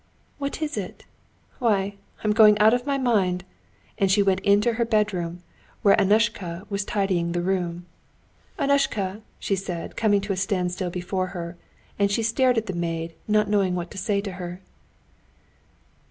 "What is it? Why, I'm going out of my mind!" and she went into her bedroom, where Annushka was tidying the room. "Annushka," she said, coming to a standstill before her, and she stared at the maid, not knowing what to say to her.